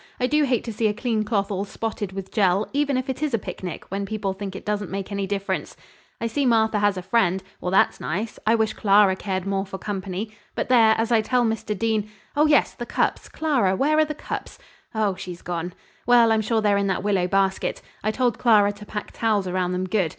I do hate to see a clean cloth all spotted with jell, even if it is a picnic when people think it doesn't make any difference. I see Martha has a friend. Well, that's nice. I wish Clara cared more for company; but, there, as I tell Mr. Dean Oh, yes! the cups. Clara, where are the cups? Oh, she's gone. Well, I'm sure they're in that willow basket. I told Clara to pack towels around them good.